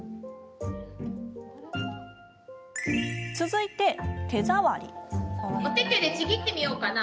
続いて手触り。